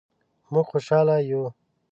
مونږ خوشحاله یو